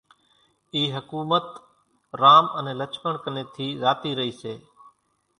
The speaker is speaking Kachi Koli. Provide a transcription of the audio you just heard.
اِي حڪُومت رام انين لڇمڻ ڪنين ٿِي زاتِي رئيَ سي،